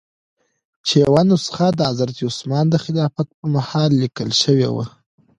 چې یوه نسخه د حضرت عثمان د خلافت په مهال لیکل شوې وه.